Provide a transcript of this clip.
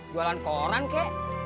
jualan koran kek